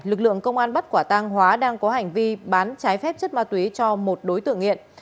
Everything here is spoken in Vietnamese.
lực lượng công an bắt quả tang hóa đang có hành vi bán trái phép chất ma túy cho một đối tượng nghiện